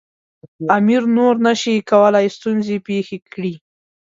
امیر نور نه شي کولای ستونزې پېښې کړي.